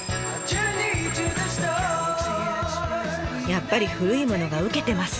やっぱり古いものがウケてます。